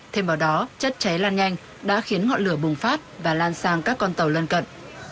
thêm vào đó chất cháy lan nhanh đã khiến ngọn lửa bùng phát và lan sang các con tàu lân cận